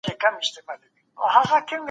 هېڅ کار بې پایلې نه دی.